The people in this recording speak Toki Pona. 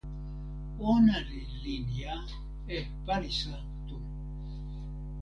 ona li linja e palisa tu.